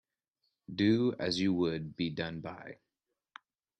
Do as you would be done by.